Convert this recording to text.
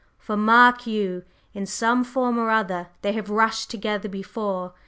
For mark you, in some form or other they have rushed together before!